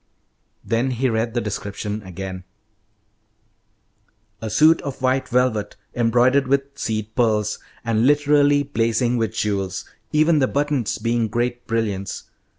Then he read the description again: "'A suit of white velvet embroidered with seed pearls, and literally blazing with jewels, even the buttons being great brilliants.